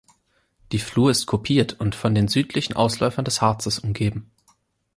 Die Flur ist kupiert und von den südlichen Ausläufern des Harzes umgeben.